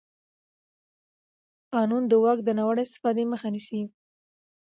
قانون د واک د ناوړه استفادې مخه نیسي.